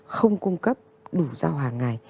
không cung cấp đủ rau hàng ngày